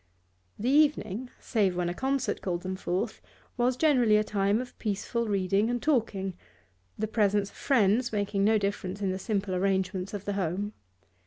The evening, save when a concert called them forth, was generally a time of peaceful reading and talking, the presence of friends making no difference in the simple arrangements of the home.